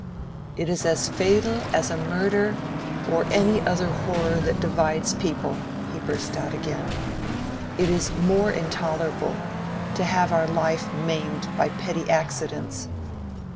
"It is as fatal as a murder or any other horror that divides people," he burst out again; "it is more intolerable—to have our life maimed by petty accidents."